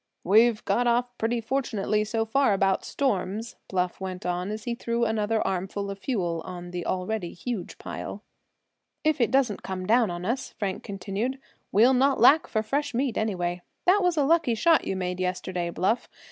"We've got off pretty fortunately so far about storms," Bluff went on, as he threw another armful of fuel on the already huge pile. "If it does come down on us," Frank continued, "we'll not lack for fresh meat, anyway. That was a lucky shot you made yesterday, Bluff.